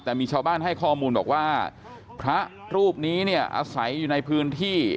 แต่มีชาวบ้านให้ข้อมูลบอกว่าพระรูปนี้เนี่ยอาศัยอยู่ในพื้นที่